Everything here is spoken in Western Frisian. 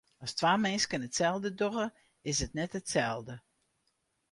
As twa minsken itselde dogge, is it net itselde.